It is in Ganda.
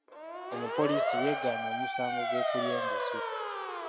Omupoliisi yeegaanye omusango gw'okulya enguzi.